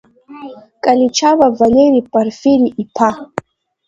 Каличава Валери парфири-иԥа.